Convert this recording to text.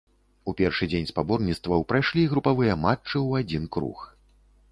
У першы дзень спаборніцтваў прайшлі групавыя матчы ў адзін круг.